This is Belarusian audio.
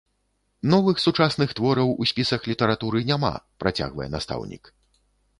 Новых сучасных твораў у спісах літаратуры няма, працягвае настаўнік.